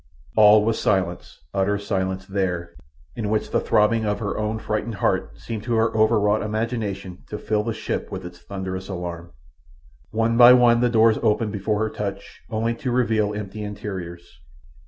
All was silence, utter silence there, in which the throbbing of her own frightened heart seemed to her overwrought imagination to fill the ship with its thunderous alarm. One by one the doors opened before her touch, only to reveal empty interiors.